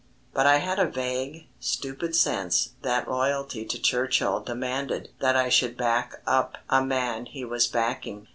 But I had a vague, stupid sense that loyalty to Churchill demanded that I should back up a man he was backing.